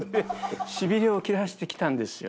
しびれを切らせて来たんですよ。